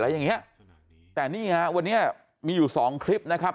อย่างเงี้ยแต่นี่ฮะวันนี้มีอยู่สองคลิปนะครับ